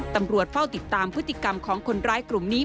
ตำรวจเฝ้าติดตามพฤติกรรมของคนร้ายกลุ่มนี้